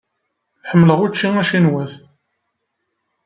Ḥemmleɣ ucci acinwat.